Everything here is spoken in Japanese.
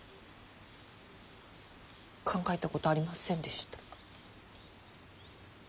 考えたことありませんでした。